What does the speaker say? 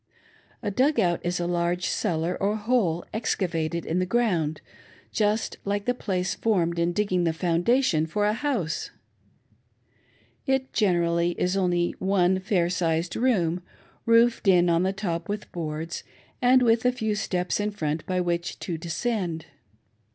A " dug out " is a large cellar, or hole, excavated in the ground, just like the place formed in digging the foundation for a house. It generally is only one fair sized room, roofed in on the top with boards, and with a few steps in front by which to descend.